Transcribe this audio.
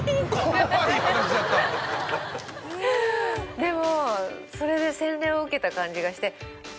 でもそれで洗礼を受けた感じがして。